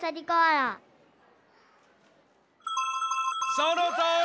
そのとおり！